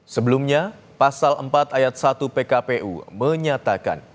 sebelumnya pasal empat ayat satu pkpu menyatakan